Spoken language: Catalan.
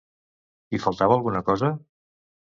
Hi faltava alguna cosa?